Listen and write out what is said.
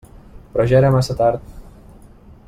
Però ja era massa tard.